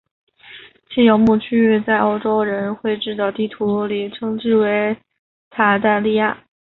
其游牧区域在欧洲人绘制的地图里称之为鞑靼利亚。